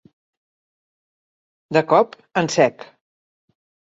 De cop en sec.